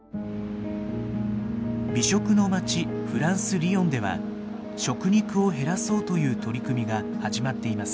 美食の街フランス・リヨンでは食肉を減らそうという取り組みが始まっています。